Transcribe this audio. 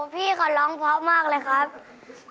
พี่เขาร้องเพราะมากเลยครับ